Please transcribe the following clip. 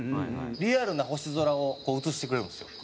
リアルな星空を映してくれるんですよ。